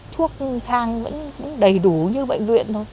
thuốc thang vẫn đầy đủ như bệnh viện thôi